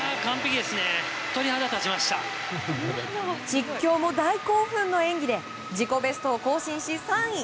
実況も大興奮の演技で自己ベストを更新し３位。